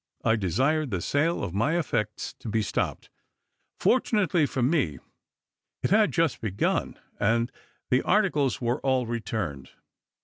I desired the sale of my effects to be stopped; fortunately for me, it had but just begun, and the articles were all returned.